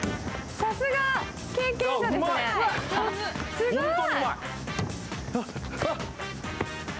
さすが経験者ですね、すごい！